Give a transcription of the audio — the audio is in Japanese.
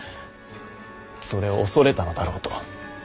それを恐れたのだろうと。